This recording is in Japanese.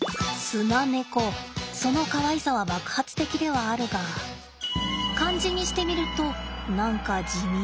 スナネコそのかわいさは爆発的ではあるが漢字にしてみると何か地味。